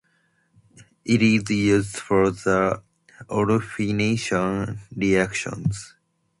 It is used for the "olefination" reactions.